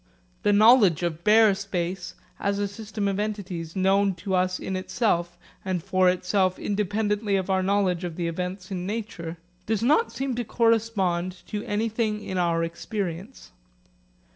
The knowledge of bare space, as a system of entities known to us in itself and for itself independently of our knowledge of the events in nature, does not seem to correspond to anything in our experience.